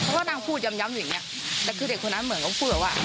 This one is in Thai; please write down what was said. เขาก็นั่งพูดยำอย่างเนี่ยแต่คือเด็กคนนั้นเหมือนกับพูดแบบว่า